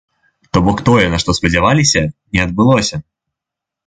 То бок тое, на што спадзяваліся, не адбылося.